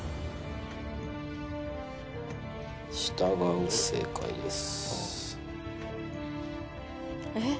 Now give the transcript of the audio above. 「従う」正解ですえっ？